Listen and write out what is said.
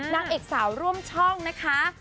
นางเอกสาวร่วมช่องนะคะ